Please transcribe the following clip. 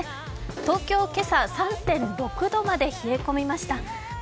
東京、今朝、３．６度まで冷え込みました。